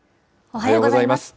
おはようございます。